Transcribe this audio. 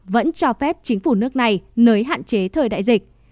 vẫn cho phép chính phủ nước này nới hạn chế thời đại dịch